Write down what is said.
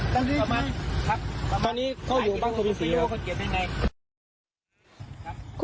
ตอนนี้เขาอยู่บ้างสวิสีครับ